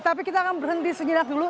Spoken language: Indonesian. tapi kita akan berhenti sejenak dulu